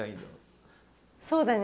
そうだね。